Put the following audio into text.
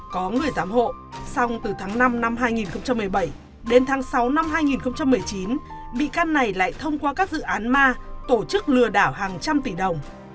có người giám hộ xong từ tháng năm năm hai nghìn một mươi bảy đến tháng sáu năm hai nghìn một mươi chín bị can này lại thông qua các dự án ma tổ chức lừa đảo hàng trăm tỷ đồng